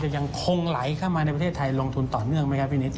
ยังคงไหลเข้ามาในประเทศไทยลงทุนต่อเนื่องไหมครับพี่นิด